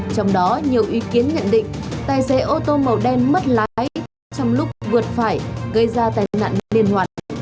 trong đó nhiều ý kiến nhận định tài xế ô tô màu đen mất lái trong lúc vượt phải gây ra tai nạn liên hoàn